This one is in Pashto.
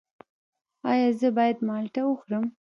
ایا زه باید مالټه وخورم؟